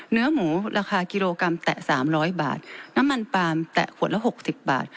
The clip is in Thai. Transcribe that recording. เนื้อหมูราคากิโลกรัมแตะ๓๐๐บาทน้ำมันปาล์มแตะขวดละ๖๐บาท